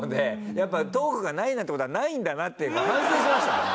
やっぱトークがないなんて事はないんだなって反省しましたね。